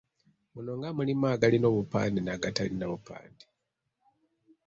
Muno nga mulimu agalina obupande n’agatalina bupande.